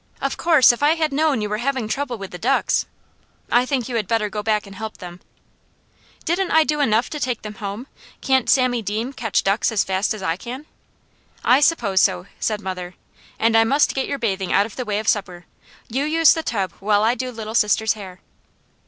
Of course if I had known you were having trouble with the ducks! I think you had better go back and help them." "Didn't I do enough to take them home? Can't Sammy Deam catch ducks as fast as I can?" "I suppose so," said mother. "And I must get your bathing out of the way of supper. You use the tub while I do Little Sister's hair."